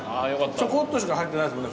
ちょこっとしか入ってないですもんね